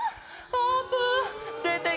あーぷん。